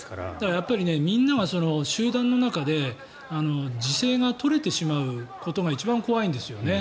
やっぱりみんなが集団の中で自制が取れてしまうことが一番怖いんですよね。